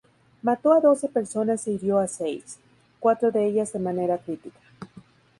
Mató a doce personas e hirió a seis, cuatro de ellas de manera crítica.